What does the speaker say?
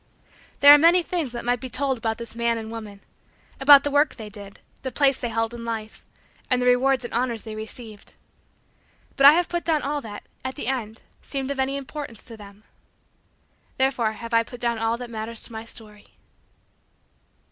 There are many things that might be told about this man and woman about the work they did, the place they held in life, and the rewards and honors they received but I have put down all that, at the end, seemed of any importance to them. Therefore have I put down all that matters to my story.